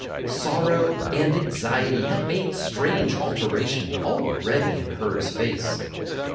Sorrow and anxiety had made strange alteration already in Herd's face.